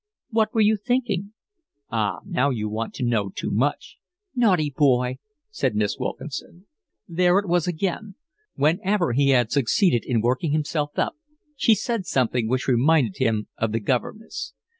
"What were you thinking?" "Ah, now you want to know too much." "Naughty boy!" said Miss Wilkinson. There it was again! Whenever he had succeeded in working himself up she said something which reminded him of the governess.